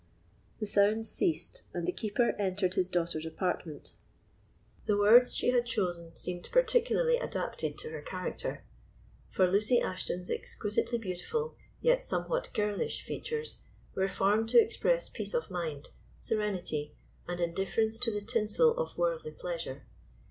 The sounds ceased, and the Keeper entered his daughter's apartment. The words she had chosen seemed particularly adapted to her character; for Lucy Ashton's exquisitely beautiful, yet somewhat girlish features were formed to express peace of mind, serenity, and indifference to the tinsel of worldly pleasure.